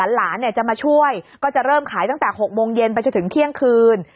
หลานจะมาช่วยก็จะเริ่มขายตั้งแต่๖โมงเย็นไปจนถึงเที่ยงคืน